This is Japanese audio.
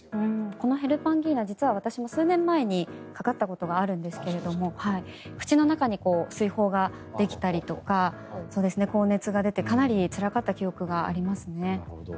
このヘルパンギーナ実は私も数年前にかかったことがあるんですが口の中に水泡ができたりとか高熱が出てかなりつらかった記憶がありますね。